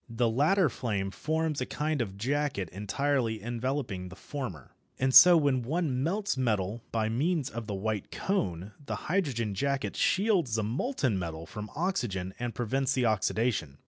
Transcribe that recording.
The latter flame forms a kind of jacket entirely enveloping the former. And so when one melts metal by means of the white cone the hydrogen jacket shields the molten metal from oxygen and prevents the oxidation.